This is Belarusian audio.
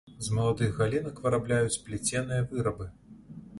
З маладых галінак вырабляюць плеценыя вырабы.